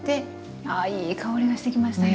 あいい香りがしてきましたね。